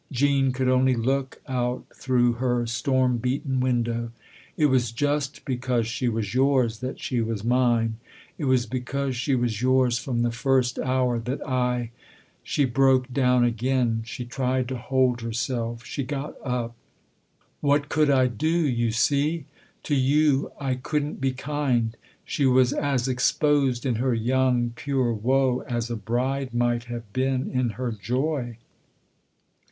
Jean could only look out through her storm beaten window. " It was just because she was yours that she was mine. It was because she was yours from the first hour that I !" She broke down again ; she tried to hold herself; she got up. " What could I do, you see ? To you I couldn't be kind." She was as exposed in her young, pure woe as a bride might have been in her joy.